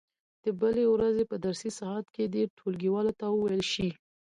د بلې ورځې په درسي ساعت کې دې ټولګیوالو ته وویل شي.